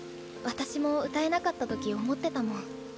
私も歌えなかった時思ってたもん。